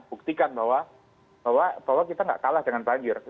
buktikan bahwa kita tidak kalah dengan banjir